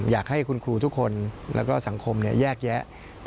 อยากให้คุณครูทุกคนแล้วก็สังคมแยกแยะ